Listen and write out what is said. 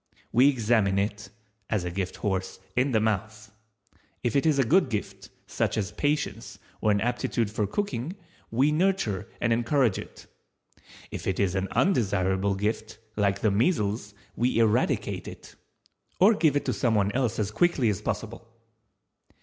We examine it (as a gift horse) in the mouth. If it is a good gift, such as patience, or an aptitude for cooking, we nurture and encourage it; if it is an undesirable gift, like the measles, we eradicate it, or give it to someone else as quickly as possible.